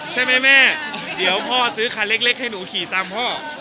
ใช่ไหมแม่เดี๋ยวพ่อซื้อคันเล็กให้หนูขี่ตามพ่อ